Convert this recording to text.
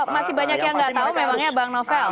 masih banyak yang nggak tahu memangnya bang novel